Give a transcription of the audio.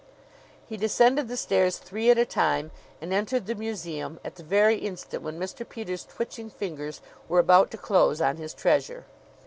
He descended the stairs three at a time, and entered the museum at the very instant when Mr. Peters' twitching fingers were about to close on his treasure.